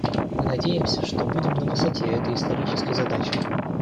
Мы надеемся, что будем на высоте этой исторической задачи.